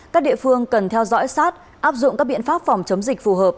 các địa phương cần theo dõi sát áp dụng các biện pháp phòng chống dịch phù hợp